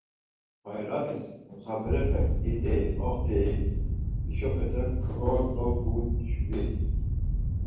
Bayramis musafirepe idey moxt̆ey hişopete kogolovuçvi.